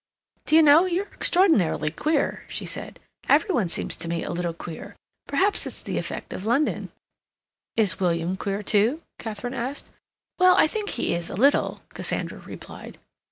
"D'you know, you're extraordinarily queer," she said. "Every one seems to me a little queer. Perhaps it's the effect of London." "Is William queer, too?" Katharine asked. "Well, I think he is a little," Cassandra replied.